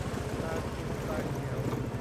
ตาขุ่นตาเขียว